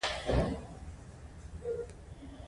ځواک د جرم او تساعد ضرب دی.